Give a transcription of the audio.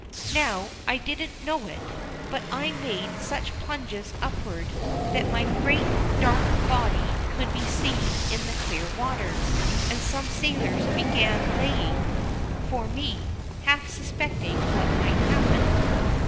Now I didn't know it, but I made such plunges upward that my great dark body could be seen in the clear water, and some sailors began "laying" for me, half suspecting what might happen.